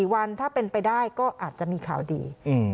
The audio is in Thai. วันถ้าเป็นไปได้ก็อาจจะมีข่าวดี